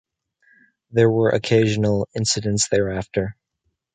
There were occasional incidents thereafter.